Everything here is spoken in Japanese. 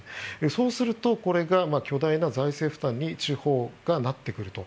そうすると、これが巨大な財政負担に地方がなってくると。